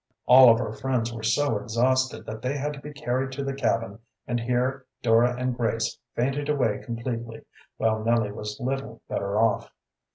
All of our friends were so exhausted that they had to be carried to the cabin and here Dora and Grace fainted away completely, while Nellie was little better off.